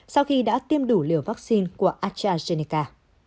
sau khi đã tiêm đủ liều vaccine của astrazeneca